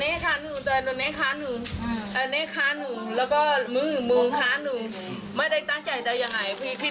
เขาตั้งใจตั้งใจฆ่าเลยฆ่าเดียวก็ไม่ได้ตั้งใจเขาโมโหใช่ไหม